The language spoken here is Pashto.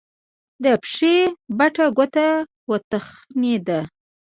د پښې بټه ګوته وتخنېده.